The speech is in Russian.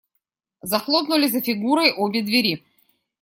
Захлопнули за Фигурой обе двери.